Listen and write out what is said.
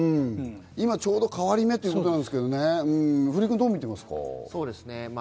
今、ちょうど変わり目ということですけどね、古井君はどうみていますか？